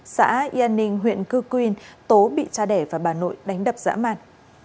xã yên ninh huyện cư quyên tố bị cha đẻ và bà nội đánh đập dã man